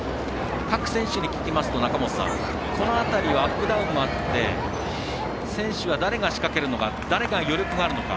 各選手に聞きますと中本さんこの辺り、アップダウンもあって選手は誰が仕掛けるのか誰が余力があるのか。